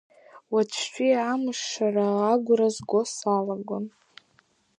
Уаҵәтәи амыш-шара агәра зго салагон.